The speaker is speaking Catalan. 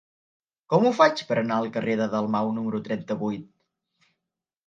Com ho faig per anar al carrer de Dalmau número trenta-vuit?